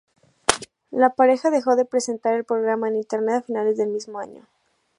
La pareja dejó de presentar el programa en internet a finales del mismo año.